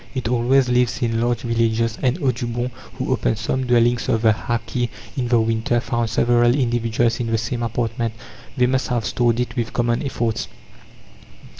It always lives in large villages, and Audubon, who opened some dwellings of the hackee in the winter, found several individuals in the same apartment; they must have stored it with common efforts.